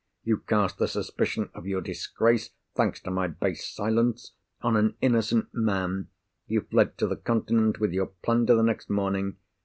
You cast the suspicion of your disgrace (thanks to my base silence!) on an innocent man! You fled to the Continent with your plunder the next morning!